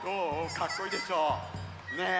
かっこいいでしょう？ねえ。